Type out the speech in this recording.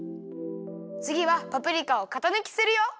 つぎはパプリカをかたぬきするよ。